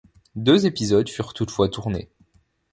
Deux épisodes furent toutefois tournés.